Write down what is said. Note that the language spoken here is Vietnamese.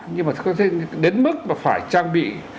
nhưng mà đến mức mà phải trang bị